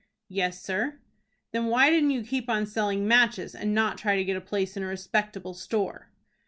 "Yes, sir." "Then why didn't you keep on selling matches, and not try to get a place in a respectable store?"